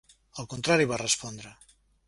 "Al contrari" va respondre.